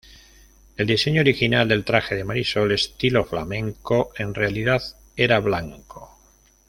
El diseño original del traje de Marisol, estilo flamenco, en realidad era blanco.